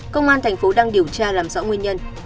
công an tp đang điều tra làm rõ nguyên nhân